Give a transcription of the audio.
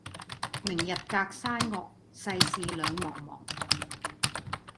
明日隔山岳，世事兩茫茫。